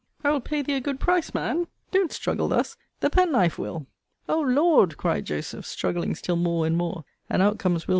I will pay thee a good price, man: don't struggle thus? The penknife, Will.! O Lord, cried Joseph, struggling still more and more: and out comes Will.'